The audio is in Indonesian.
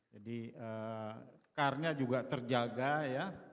jadi karnya juga terjaga ya